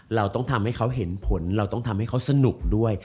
เราต้องทำให้เขาเห็นผลเราต้องทำให้เขาสนุกด้วย